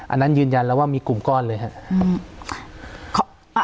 อันนั้นยืนยันแล้วว่ามีกลุ่มก้อนเลยครับ